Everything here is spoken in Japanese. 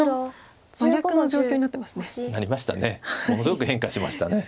ものすごく変化しました。